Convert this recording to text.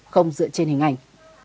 không dựa trên hình ảnh